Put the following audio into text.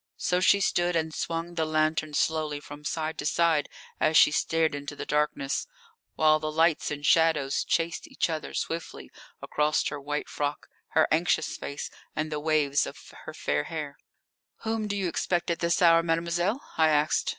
So she stood and swung the lantern slowly from side to side as she stared into the darkness, while the lights and shadows chased each other swiftly across her white frock, her anxious face, and the waves of her fair hair. "Whom do you expect at this hour, mademoiselle?" I asked.